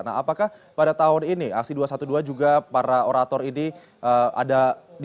nah apakah pada tahun ini aksi dua ratus dua belas juga para orator ini ada di sana ada ketua gnpf moi bahtiar nasir